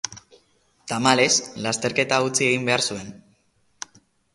Tamalez, lasterketa utzi egin behar zuen.